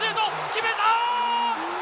決めた！